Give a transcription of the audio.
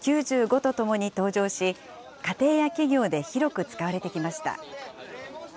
９５とともに登場し、家庭や企業で広く使われてきました。